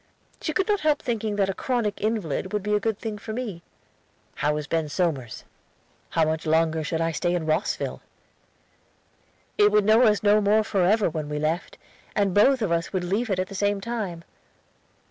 She could not help thinking that a chronic invalid would be a good thing for me. How was Ben Somers? How much longer should I stay in Rosville? It would know us no more forever when we left, and both of us would leave it at the same time.